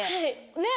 ねっ？